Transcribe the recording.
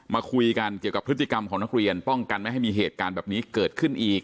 มาคุยกันเกี่ยวกับพฤติกรรมของนักเรียนป้องกันไม่ให้มีเหตุการณ์แบบนี้เกิดขึ้นอีก